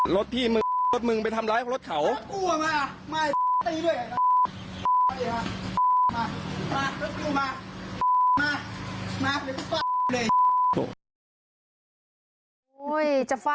รถพี่รถมึงไปทำร้ายรถเขา